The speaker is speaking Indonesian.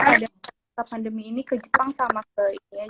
ada pandemi ini ke jepang sama ke ini